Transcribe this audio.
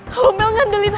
kalau mel ngandelin